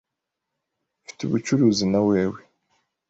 Mfite ubucuruzi nawewe .